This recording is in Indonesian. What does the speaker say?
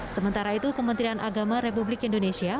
sementara itu kementerian agama republik indonesia